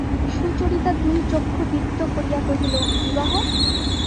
সুচরিতা দুই চক্ষু দীপ্ত করিয়া কহিল, বিবাহ?